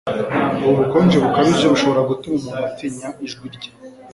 Ubu bukonje bukabije bushobora gutuma umuntu atinya ijwi rye